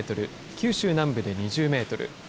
九州南部で２０メートル